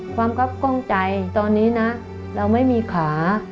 ครับกล้องใจตอนนี้นะเราไม่มีขา